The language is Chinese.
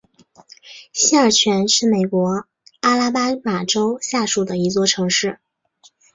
西尔泉是美国阿拉巴马州下属的一座城市。